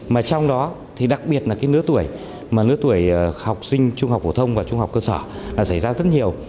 mà trong đó thì đặc biệt là cái nửa tuổi nửa tuổi học sinh trung học phổ thông và trung học cơ sở là xảy ra rất nhiều